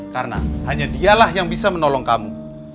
karena hanya dialah yang bisa menolong kamu